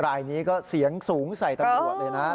รายนี้ก็เสียงสูงใส่ตำรวจเลยนะ